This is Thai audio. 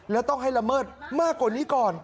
แล้วต้องให้ละเมิดมากกว่านี้ก่อน